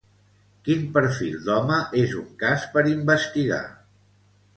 Quin perfil d'home és un cas per investigar?